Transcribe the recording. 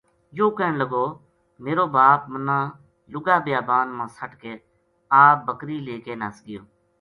یوہ کہن لگو میرو باپ منّا لُگا بیابان ما سَٹ کے آپ بکری لے کے نس گیو